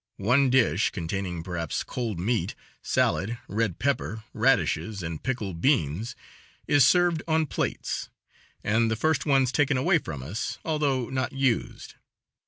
One dish, containing, perhaps, cold meat, salad, red pepper, radishes, and pickled beans, is served on plates, and the first ones taken away from us, although not used.